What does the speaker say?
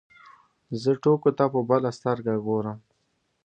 زه ټوکو ته په بله سترګه ګورم.